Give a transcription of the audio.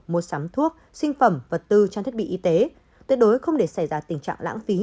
mua sắm thuốc sinh phẩm vật tư trang thiết bị y tế tuyệt đối không để xảy ra tình trạng lãng phí